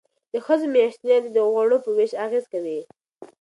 د ښځو میاشتنی عادت د غوړو په ویش اغیز کوي.